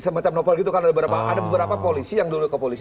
semacam novel gitu kan ada beberapa polisi yang dulu ke polisi